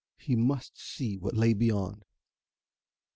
He must see what lay beyond....